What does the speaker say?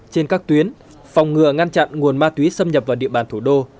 trên các tuyến phòng ngừa ngăn chặn nguồn ma túy xâm nhập vào địa bàn thủ đô